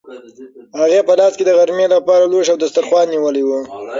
هغې په لاس کې د غرمې لپاره لوښي او دسترخوان نیولي وو.